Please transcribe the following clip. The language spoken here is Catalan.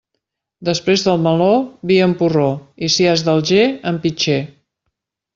Després del meló, vi en porró, i si és d'Alger, en pitxer.